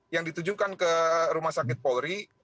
yang ditujukan ke rumah sakit polri